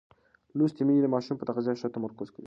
لوستې میندې د ماشوم پر تغذیه ښه تمرکز کوي.